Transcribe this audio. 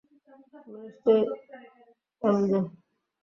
তুমি নিশ্চয়ই এমজে!